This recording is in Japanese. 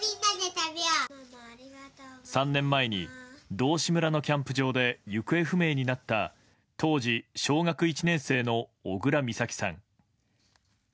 ３年前に道志村のキャンプ場で行方不明になった当時小学１年生の小倉美咲さん。